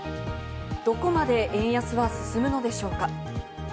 どこまで円安は進むのでしょうか？